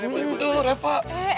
boleh boleh boleh